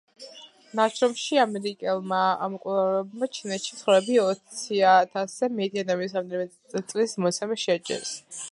ნაშრომში ამერიკელმა მკვლევარებმა ჩინეთში მცხოვრები ოციათასზე მეტი ადამიანის რამდენიმე წლის მონაცემები შეაჯერეს.